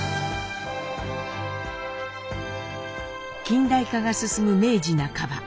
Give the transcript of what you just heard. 近代化が進む明治半ば。